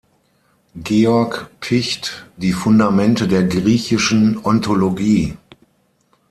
Georg Picht, "Die Fundamente der griechischen Ontologie"